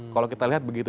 kalau kita lihat begitu